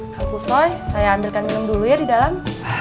kang kusoy saya ambilkan minum dulu ya di dalam